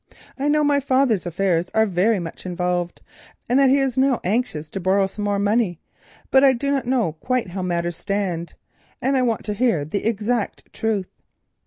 I know my father's affairs are very much involved, and that he is now anxious to borrow some more money; but I do not know quite how matters stand, and I want to learn the exact truth."